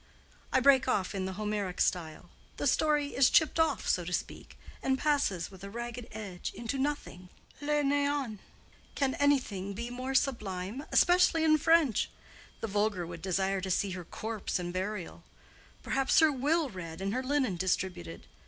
"I break off in the Homeric style. The story is chipped off, so to speak, and passes with a ragged edge into nothing—le néant; can anything be more sublime, especially in French? The vulgar would desire to see her corpse and burial—perhaps her will read and her linen distributed.